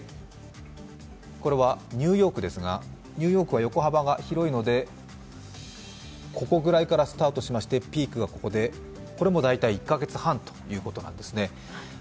これはニューヨークですが、ニューヨークは横幅が広いのでここぐらいからスタートしまして、ピークがここで、これも大体１カ月半ということなんですね。